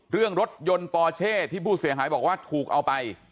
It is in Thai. เรื่องรถยนต์ปอเช่ที่ผู้เสียหายบอกว่าถูกเอาไป